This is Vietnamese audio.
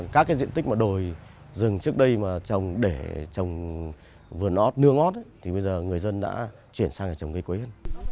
các diện tích đồi rừng trước đây để trồng vườn ốt nương ốt thì bây giờ người dân đã chuyển sang trồng cây quế